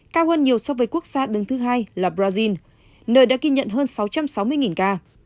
cao hơn nhiều so với quốc gia đứng thứ hai là brazil nơi đã ghi nhận hơn sáu trăm sáu mươi ca